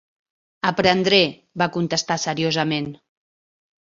"Aprendré", va contestar seriosament.